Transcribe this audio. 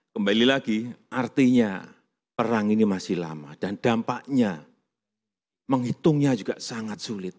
kembali lagi artinya perang ini masih lama dan dampaknya menghitungnya juga sangat sulit